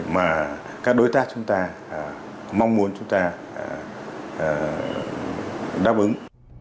mà các đối tác chúng ta mong muốn chúng ta đáp ứng